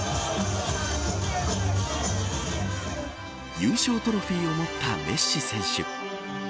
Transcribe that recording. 優勝トロフィーを持ったメッシ選手。